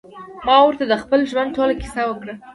ما ورته د خپل ژوند ټوله کيسه وکړه.